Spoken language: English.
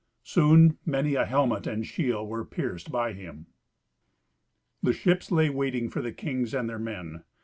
Soon many a helmet and shield were pierced by him. The ships lay waiting for the kings and their men.